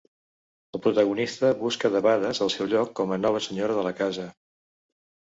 La protagonista busca debades el seu lloc com a nova senyora de la casa.